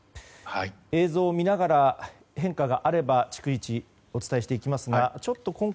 映像を見ながら変化があれば逐一、お伝えしていきます。